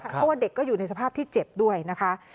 เพราะว่าเด็กก็อยู่ในสภาพที่เจ็บด้วยนะคะ